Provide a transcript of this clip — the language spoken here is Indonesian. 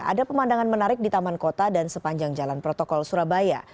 ada pemandangan menarik di taman kota dan sepanjang jalan protokol surabaya